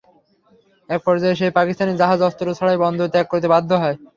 একপর্যায়ে সেই পাকিস্তানি জাহাজ অস্ত্র ছাড়াই বন্দর ত্যাগ করতে বাধ্য হয়।